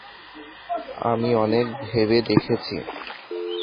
আমি অনেক ভেবে দেখেছি।